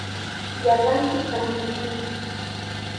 Llapanchik kantashun.